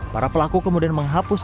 para pelaku kemudian menghapus